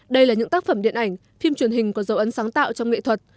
đây là những tác phẩm điện ảnh phim truyền hình có dấu ấn sáng tạo trong nghệ thuật